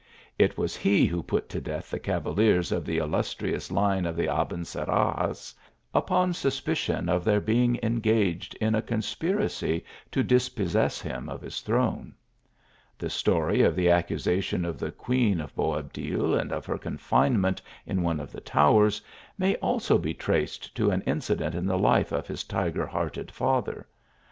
It was he who put to death the cavaliers of the illustrious line of the Abencerrages, upon suspicion of their being engaged in a conspir acy to dispossess him of his throne. The story of the accusation of the queen of Bo abdil, and of her confinement in one of the towers, may also be traced to an incident in the life of his tiger hearted father.